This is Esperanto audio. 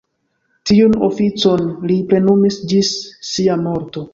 Tiun oficon li plenumis ĝis sia morto.